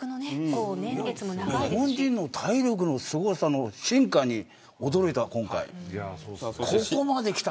日本人の体力のすごさの進化に驚いた、今回。